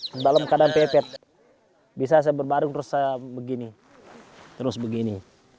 kembali kadang pepet bisa saya berbarung terus saya begini terus begini